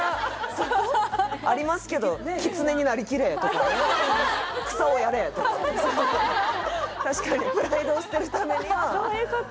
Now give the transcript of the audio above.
そこ？ありますけど「キツネになりきれ」とかね「草をやれ」とか確かにプライドを捨てるためにはそういうこと？